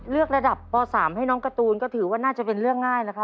ระดับป๓ให้น้องการ์ตูนก็ถือว่าน่าจะเป็นเรื่องง่ายนะคะ